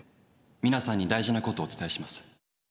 皆さんに大事なことをお伝えします。